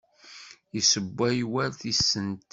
Yessewway war tisent.